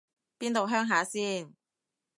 邊度鄉下先